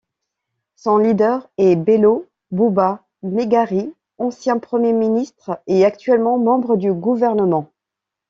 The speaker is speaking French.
Son leader est Bello Bouba Maigari, ancien premier ministre et actuellement membre du gouvernement.